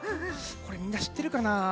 これみんなしってるかな？